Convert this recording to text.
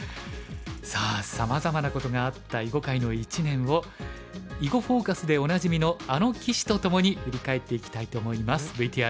さあさまざまなことがあった囲碁界の一年を「囲碁フォーカス」でおなじみのあの棋士とともに振り返っていきたいと思います。